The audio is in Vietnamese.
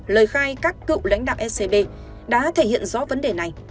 lời khai các cựu lãnh đạo ecb đã thể hiện rõ vấn đề này